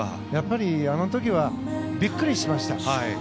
やっぱりあの時はびっくりしました。